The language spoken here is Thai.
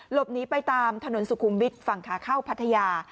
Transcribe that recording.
หลบหนีไปตามถนนสุขุมวิทย์ฝั่งขาเข้าพัทยา